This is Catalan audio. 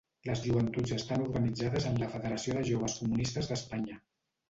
Les joventuts estan organitzades en la Federació de Joves Comunistes d'Espanya.